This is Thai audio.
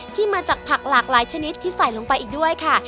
ที่มาจากผักหลากหลายชนิดที่ใส่ลงไปอีกด้วยค่ะ